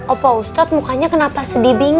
opa ustadz mukanya kenapa sedih bingung